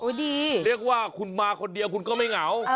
เรียกว่าคุณมาคนเดียวคุณก็ไม่เหงา